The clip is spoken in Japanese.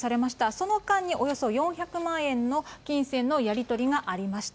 その間におよそ４００万円の金銭のやり取りがありました。